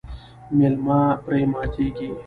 میلمه پرې ماتیږي.